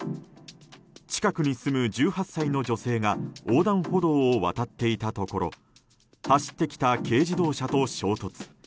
近くに住む１８歳の女性が横断歩道を渡っていたところ走ってきた軽乗用車と衝突。